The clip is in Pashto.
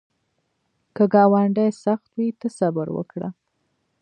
که ګاونډی سخت وي، ته صبر وکړه